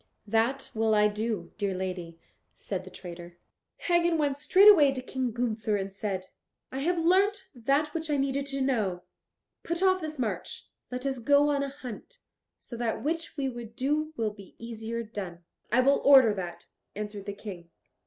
"That will I do, dear lady," said the traitor. Hagen went straightway to King Gunther and said, "I have learnt that which I needed to know; put off this march; let us go on a hunt. So that which we would do will be easier done." "I will order that," answered the King.